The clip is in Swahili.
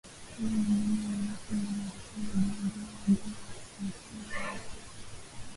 Kama mwingine yeyote yule alisema Diego Maradona akiwa Napol